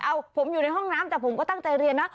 เอาผมอยู่ในห้องน้ำแต่ผมก็ตั้งใจเรียนนะ